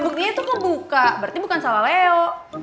dia tuh kebuka berarti bukan salah leo